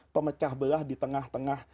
pemecah belah di tengah tengah